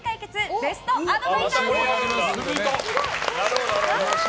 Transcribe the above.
ベストアドバイザーです。